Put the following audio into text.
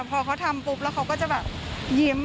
พอเขาทำปุ๊บแล้วเขาก็จะแบบยิ้ม